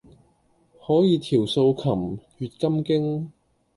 可以調素琴，閱金經